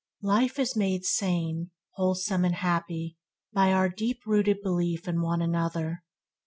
Life is made sane, wholesome, and happy, by our deep rooted belief in one another.